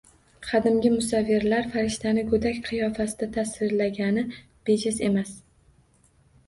Qadimgi musavvirlar farishtani g’odak qiyofasida tasvirlagani bejiz emas.